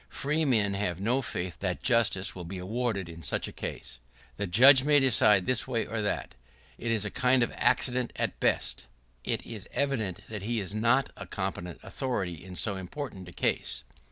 Free men have no faith that justice will be awarded in such a case. The judge may decide this way or that; it is a kind of accident, at best. It is evident that he is not a competent authority in so important a case.